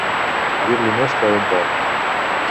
Dir-li més que a un porc.